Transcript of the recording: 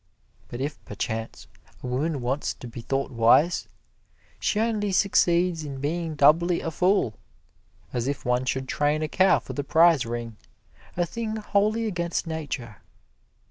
But if, perchance, a woman wants to be thought wise, she only succeeds in being doubly a fool, as if one should train a cow for the prize ring, a thing wholly against Nature.